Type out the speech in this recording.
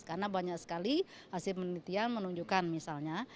karena banyak sekali hasil penelitian menunjukkan misalnya